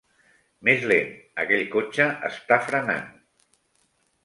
Més lent, aquell cotxe està frenant!